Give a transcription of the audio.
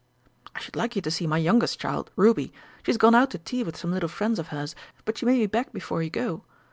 I should like you to see my youngest child, Ruby. She's gone out to tea with some little friends of hers, but she may be back before you go.